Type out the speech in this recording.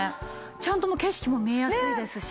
ちゃんと景色も見えやすいですし。